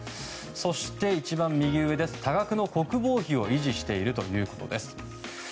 そして、多額の国防費を維持しているということです。